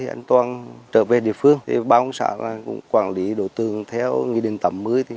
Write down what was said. anh toàn trở về địa phương ba ông xã cũng quản lý đầu tư theo nghị định tầm mới